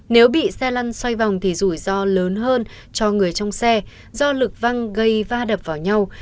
nếu bị xe lăn xoay vòng thì rủi ro lớn hơn cho người trong xe do lực văng gây va đập vào nhau